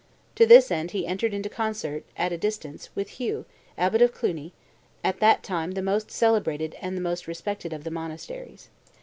To this end he entered into concert, at a distance, with Hugh, abbot of Cluni, at that time the most celebrated and most respected of the monasteries.